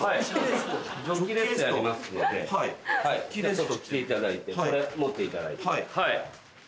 ちょっと来ていただいてこれ持っていただいて。